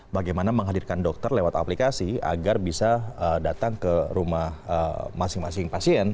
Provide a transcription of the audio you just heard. bagaimana menghadirkan dokter lewat aplikasi agar bisa datang ke rumah masing masing pasien